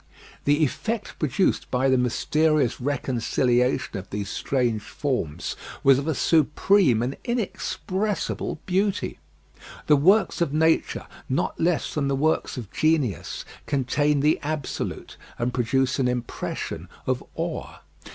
The effect produced by the mysterious reconciliation of these strange forms was of a supreme and inexpressible beauty. The works of nature, not less than the works of genius, contain the absolute, and produce an impression of awe.